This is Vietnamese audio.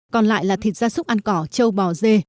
còn lại là thịt da súc ăn cỏ châu bò dê